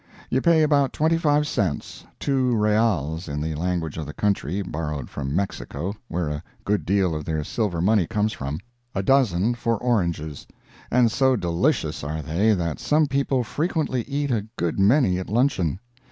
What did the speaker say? You pay about twenty five cents ("two reals," in the language of the country, borrowed from Mexico, where a good deal of their silver money comes from) a dozen for oranges; and so delicious are they that some people frequently eat a good many at luncheon.